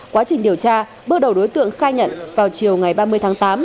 quá trình điều tra bước đầu đối tượng khai nhận vào chiều ngày ba mươi tháng tám